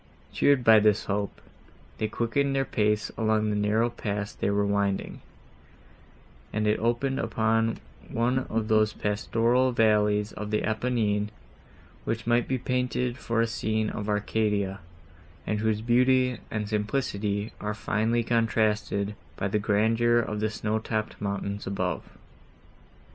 Cheered by this hope, they quickened their pace along the narrow pass they were winding, and it opened upon one of those pastoral valleys of the Apennines, which might be painted for a scene of Arcadia, and whose beauty and simplicity are finely contrasted by the grandeur of the snowtopped mountains above.